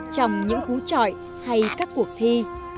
trong những cú trọi hay các cuộc thi